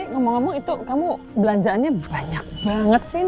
ngomong ngomong itu kamu belanjaannya banyak banget sih